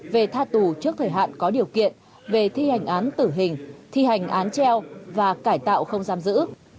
về tha tù trước thời hạn có điều kiện về thi hành án tử hình thi hành án treo và cải tạo không giam giữ